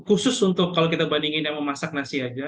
khusus untuk kalau kita bandingin yang memasak nasi aja